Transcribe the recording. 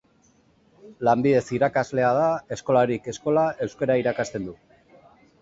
Lanbidez irakaslea da, eskolarik eskola euskara irakasten du.